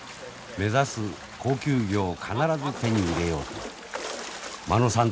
目指す高級魚を必ず手に入れようと間野さん